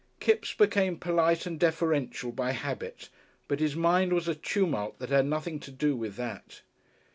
Kipps became polite and deferential by habit, but his mind was a tumult that had nothing to do with that.